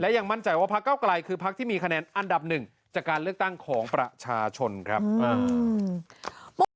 ยังมั่นใจว่าพักเก้าไกลคือพักที่มีคะแนนอันดับหนึ่งจากการเลือกตั้งของประชาชนครับ